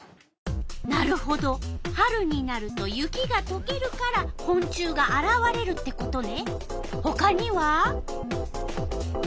なるほど春になると雪がとけるからこん虫があらわれるってことね。